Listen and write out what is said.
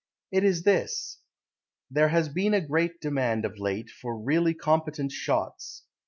It is this: There has been a great demand of late For really competent shots.